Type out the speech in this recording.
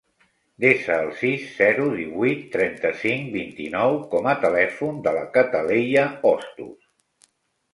Desa el sis, zero, divuit, trenta-cinc, vint-i-nou com a telèfon de la Cataleya Ostos.